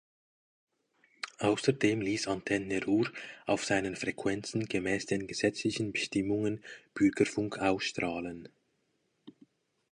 Außerdem ließ Antenne Ruhr auf seinen Frequenzen gemäß den gesetzlichen Bestimmungen Bürgerfunk ausstrahlen.